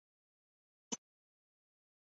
沧源近溪蟹为溪蟹科近溪蟹属的动物。